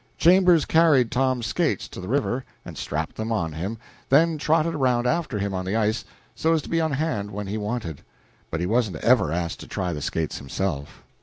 Chambers carried Tom's skates to the river and strapped them on him, then trotted around after him on the ice, so as to be on hand when wanted; but he wasn't ever asked to try the skates himself.